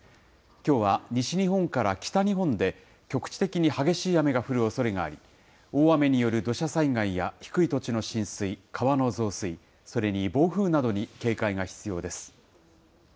きょうは西日本から北日本で、局地的に激しい雨が降るおそれがあり、大雨による土砂災害や低い土地の浸水、川の増水、それに防風などに警戒が必要です。